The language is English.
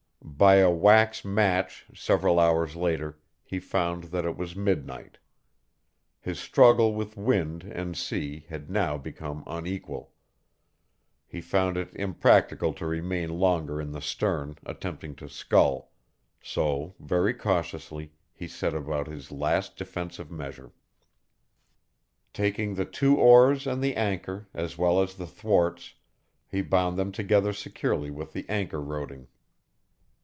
By a wax match several hours later he found that it was midnight. His struggle with wind and sea had now become unequal. He found it impractical to remain longer in the stern attempting to scull. So very cautiously he set about his last defensive measure. Taking the two oars and the anchor, as well as the thwarts, he bound them together securely with the anchor roding.